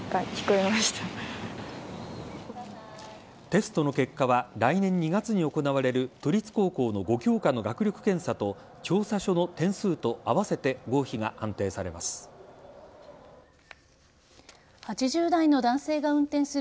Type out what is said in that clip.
テストの結果は来年２月に行われる都立高校の５教科の学力検査と調査書の点数と合わせて合否が判定されます。